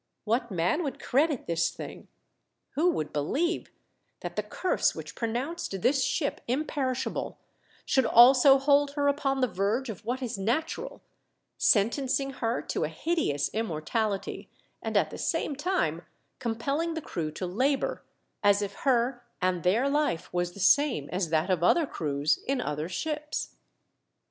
What man would credit this thing } Who would believe that the Curse which pronounced this ship im perishable should also hold her upon the verge of what is natural, sentencing her to a hideous immortality, and at the same time compelling the crew to labour as if her and their life was the same as that of other crews, in other ships."